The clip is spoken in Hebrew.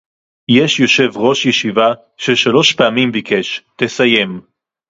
יש יושב-ראש ישיבה ששלוש פעמים ביקש: תסיים